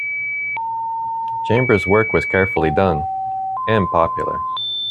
Chambers' work was carefully done, and popular.